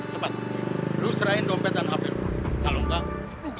cepat lo serahin dompet dan hp lo kalau enggak lo habisin semua